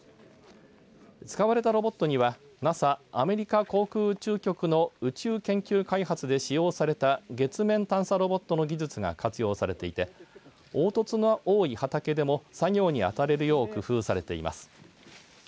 使われたロボットにはＮＡＳＡアメリカ航空宇宙局の宇宙研究開発で使用された月面探査ロボットの技術が活用されていて凹凸の多い畑でも作業に当たれるように工夫されています。